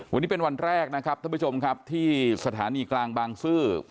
วันนี้เป็นวันแรกทุกผู้ชมที่สถานีกลางบางซื่อ